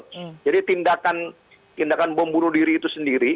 mereka menggunakan tindakan bom bunuh diri itu sendiri